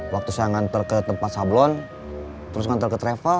waktu saya nganter ke tempat sablon terus ngantar ke travel